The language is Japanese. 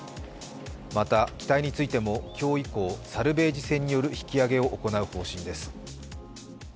また機体についても今日以降、サルベージ船による引き揚げを行う方針です。